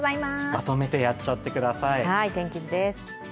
まとめてやっちゃってください。